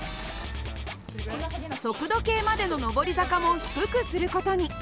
速度計までの上り坂も低くする事に。